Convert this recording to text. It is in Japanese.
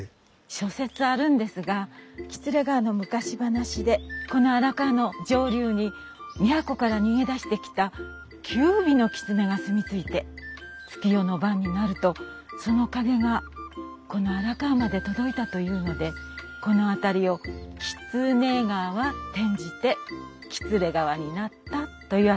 諸説あるんですが喜連川の昔話でこの荒川の上流に都から逃げ出してきた九尾のきつねが住み着いて月夜の晩になるとその影がこの荒川まで届いたというのでこの辺りをきつね川転じてきつれ川になったといわれてます。